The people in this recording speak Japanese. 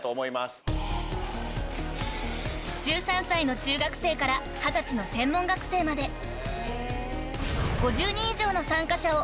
［１３歳の中学生から２０歳の専門学生まで］